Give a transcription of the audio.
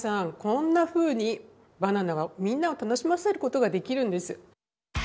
こんなふうにバナナはみんなを楽しませることができるんです。